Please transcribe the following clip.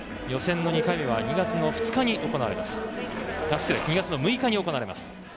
予選の２回目は２月の６日に行われます。